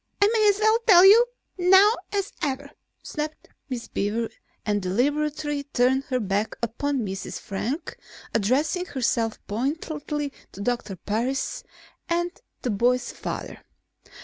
"I may as well tell you now as ever," snapped Miss Beaver and deliberately turned her back upon Mrs. Frank, addressing herself pointedly to Doctor Parris and the boy's father.